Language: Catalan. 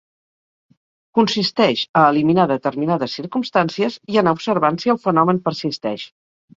Consisteix a eliminar determinades circumstàncies, i anar observant si el fenomen persisteix.